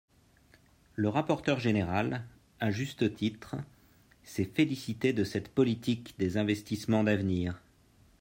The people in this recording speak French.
Le rapporteur général, à juste titre, s’est félicité de cette politique des investissements d’avenir.